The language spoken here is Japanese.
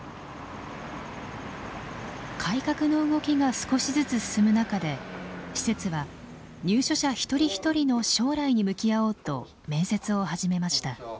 改革の動きが少しずつ進む中で施設は入所者一人一人の将来に向き合おうと面接を始めました。